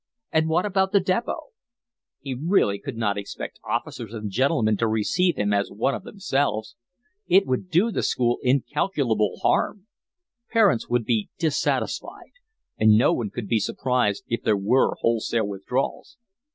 And what about the depot? He really could not expect officers and gentlemen to receive him as one of themselves. It would do the school incalculable harm. Parents would be dissatisfied, and no one could be surprised if there were wholesale withdrawals.